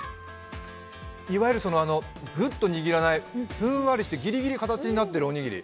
いわゆる、ぐっと握らない、ふんわりしてギリギリ形になってるおにぎり。